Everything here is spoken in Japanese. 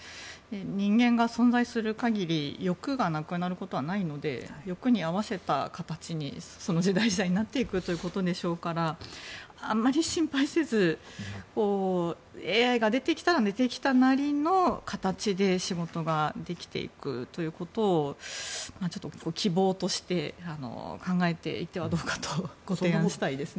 人間が存在する限り欲がなくなることはないので欲に合わせた形にその時代、時代になっていくということでしょうからあんまり心配せずＡＩが出てきたら出てきたなりの形で仕事ができていくということをちょっと希望として考えていってはどうかとご提案したいですね。